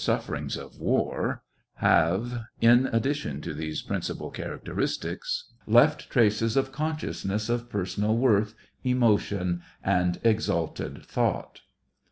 29 sufferings of war have, in addition to these princi pal characteristics, left traces of consciousness of personal worth, emotion, and exalted thought.